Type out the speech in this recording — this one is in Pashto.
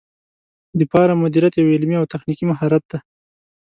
د فارم مدیریت یو علمي او تخنیکي مهارت دی.